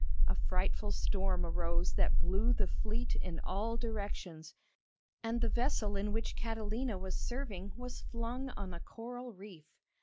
A frightful storm arose that blew the fleet in all directions, and the vessel in which Catalina was serving was flung on a coral reef.